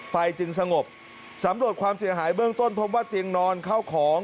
จึงสงบสำรวจความเสียหายเบื้องต้นพบว่าเตียงนอนเข้าของ